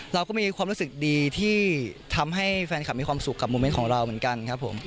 เราก็มีความรู้สึกดีที่ทำให้แฟนคลับมีความสุขกับโมเมนต์ของเราเหมือนกันครับผม